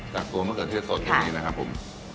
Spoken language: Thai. จากตัวมะเขือเทศสดตรงนี้นะครับผม